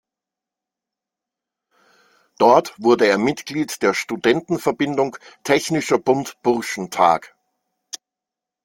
Dort wurde er Mitglied der Studentenverbindung "Technischer Bund Burschentag".